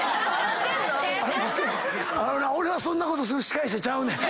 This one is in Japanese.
俺はそんなことする司会者ちゃうねん。